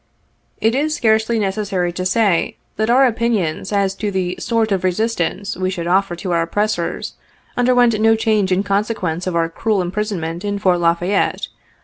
It is scarcely necessary to say, that our opinions as to the sort of resistance we should offer to our oppressors, under went no change in consequence of our cruel imprisonment in Fort La Fayette.